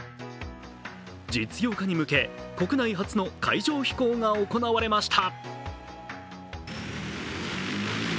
実用化に向け、国内初の海上飛行が行われました。